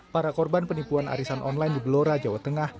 para korban penipuan arisan online di belora jawa tengah